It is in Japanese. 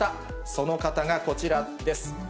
その方がこちらです。